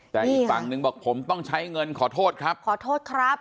แต่อีกฝั่งหนึ่งบอกผมต้องใช้เงินขอโทษครับขอโทษครับ